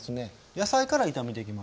野菜から炒めていきます。